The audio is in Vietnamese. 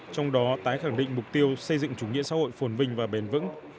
trong đó tái khẳng định mục tiêu xây dựng chủ nghĩa xã hội phồn vinh và bền vững